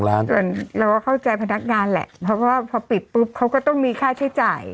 เราก็เข้าใจพนักงานแหละเพราะว่าพอปิดปุ๊บเขาก็ต้องมีค่าใช้จ่าย